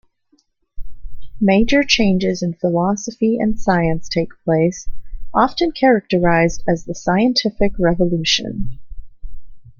Major changes in philosophy and science take place, often characterized as the Scientific revolution.